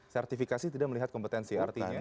sertifikasi tidak melihat kompetensi artinya